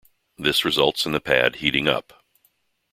This results in the pad heating up.